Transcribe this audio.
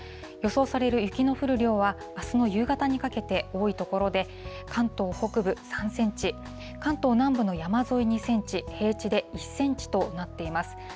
予想される雪の降る量は、あすの夕方にかけて、多い所で、関東北部３センチ、関東南部の山沿い２センチ、平地で１センチとなっています。